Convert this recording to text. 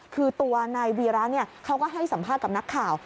คือตัวนายวีระเขาก็ให้สัมภาษณ์กับนักข่าว